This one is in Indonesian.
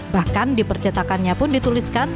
bahkan di percetakannya pun dituliskan